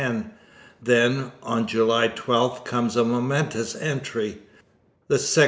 Then, on July 12, comes a momentous entry: 'the Sec.